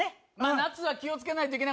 夏は気を付けないといけない